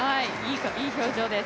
いい表情です。